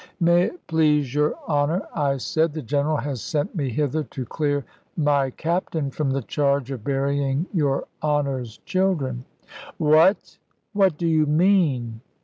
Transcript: "May it please your Honour," I said; "the General has sent me hither to clear my Captain from the charge of burying your Honour's children." "What what do you mean?"